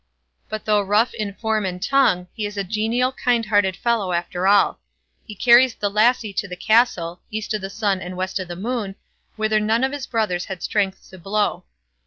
But though rough in form and tongue, he is a genial, kind hearted fellow after all. He carries the lassie to the castle, "East o' the Sun and West o' the Moon", whither none of his brothers had strength to blow.